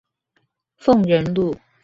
鳳仁路